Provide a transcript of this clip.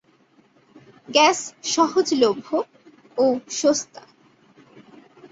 Gas সহজলভ্য ও সস্তা।